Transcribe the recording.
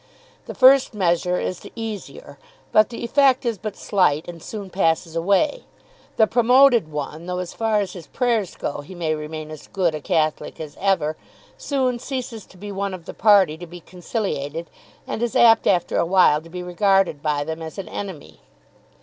The first measure is the easier, but the effect is but slight and soon passes away. The promoted one, though as far as his prayers go he may remain as good a Catholic as ever, soon ceases to be one of the party to be conciliated, and is apt after a while to be regarded by them as an enemy.